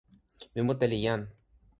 mi mute li jan.